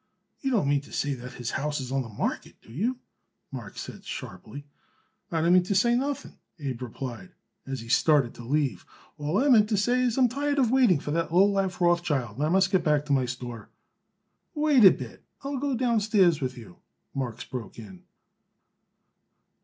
"You don't mean to say that his house is on the market, do you?" Marks said sharply. "I don't mean to say nothing," Abe replied, as he started to leave. "All I mean to say is that I am tired of waiting for that lowlife Rothschild, and I must get back to my store." "Wait a bit; I'll go downstairs with you," Marks broke in.